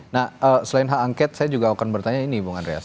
nah selain hak angket saya juga akan bertanya ini bung andreas